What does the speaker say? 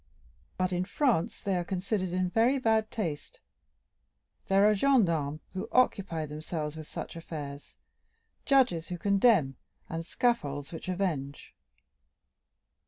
But in France they are considered in very bad taste; there are gendarmes who occupy themselves with such affairs, judges who condemn, and scaffolds which avenge."